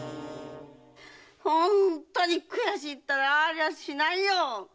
本当に悔しいったらありゃしないよ‼